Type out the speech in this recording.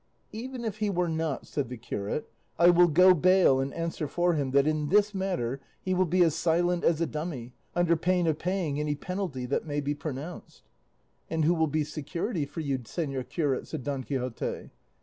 "Even if he were not," said the curate, "I will go bail and answer for him that in this matter he will be as silent as a dummy, under pain of paying any penalty that may be pronounced." "And who will be security for you, señor curate?" said Don Quixote.